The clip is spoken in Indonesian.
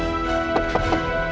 iya satu box